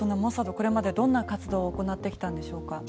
これまでどんな活動を行ってきたんでしょうか？